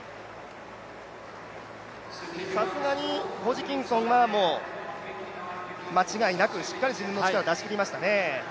さすがにホジキンソンはもう、間違いなくしっかり自分の力を出し切りましたね。